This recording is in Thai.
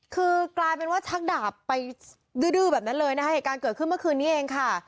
คือกลายเป็นชักด่าไปดื้อแบบนั้นเลยนะการเกิดขึ้นเมื่อคืนนี้เองค่ะ